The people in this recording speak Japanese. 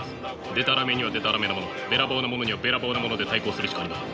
でたらめにはでたらめなものべらぼうなものにはべらぼうなもので対抗するしかありません。